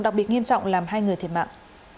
đặc biệt nghiêm trọng làm hai người thiệt mạng